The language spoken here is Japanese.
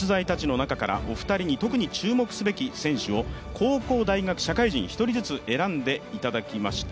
お二人に特に注目すべき選手を高校、大学、社会人、１人ずつ選んでいただきました。